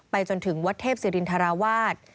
จนถึงวัดเทพศิรินทราวาส